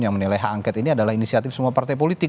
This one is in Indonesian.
yang menilai hak angket ini adalah inisiatif semua partai politik